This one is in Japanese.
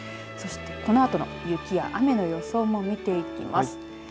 そして、このあとの雪や雨の予想も見ていきます。